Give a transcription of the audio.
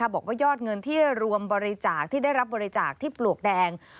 บอกว่ายอดเงินที่รวมบริจาคที่ได้รับบริจาคที่ปลวกแดง